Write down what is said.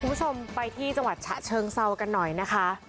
คุณผู้ชมไปที่จังหวัดฉะเชิงเซากันหน่อยนะคะ